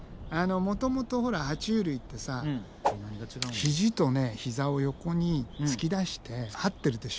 もともとほらは虫類ってさ肘と膝を横に突き出してはってるでしょ。